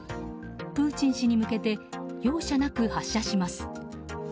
プーチン氏に向けて容赦なく発射します。